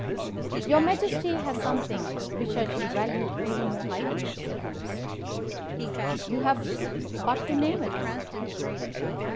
"Your Majesty has something which I should value even more highly," said Holmes. "You have but to name it."